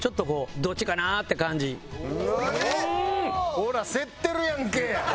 ほら競ってるやんけ！